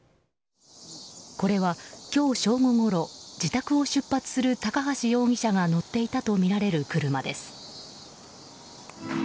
これは今日正午ごろ自宅を出発する高橋容疑者が乗っていたとみられる車です。